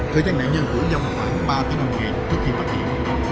thời gian nạn nhân tử vong khoảng ba tiếng đồng ngày trước khi mặc nhiệm